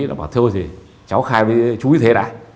nó bảo thôi thì cháu khai với chú ý thế